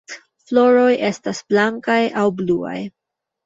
Floroj estas blankaj aŭ bluaj.